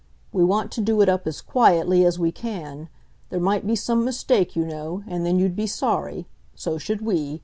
"We want to do it up as quietly as we can. There might be some mistake, you know, and then you'd be sorry. So should we.